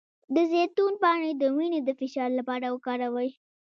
د زیتون پاڼې د وینې د فشار لپاره وکاروئ